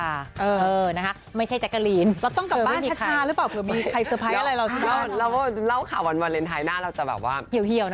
ก็ดีใจที่พี่เขาให้ความสำคัญกับวันพิเศษอะไรแบบนี้ด้วย